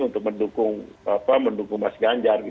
untuk mendukung mas ganjar